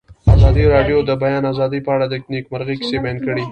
ازادي راډیو د د بیان آزادي په اړه د نېکمرغۍ کیسې بیان کړې.